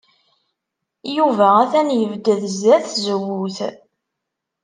Yuba atan yebded sdat tzewwut.